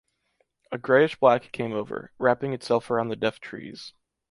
A greyish black came over, wrapping itself around the deaf trees.